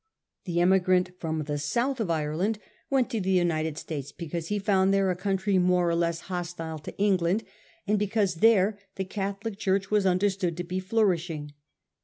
The emigrant from the south of Ireland went to the United States because he found there a country more or less hostile to England, and because there the Catholic Church was understood to be flourishing.